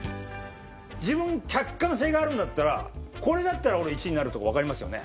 自分客観性があるんだったらこれだったら俺１位になるとかわかりますよね。